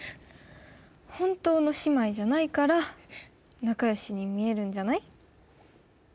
本当の姉妹じゃないから仲よしに見えるんじゃない？